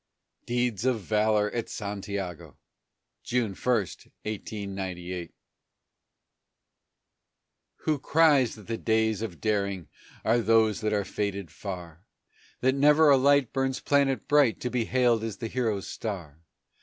DEEDS OF VALOR AT SANTIAGO [July 1, 1898] Who cries that the days of daring are those that are faded far, That never a light burns planet bright to be hailed as the hero's star?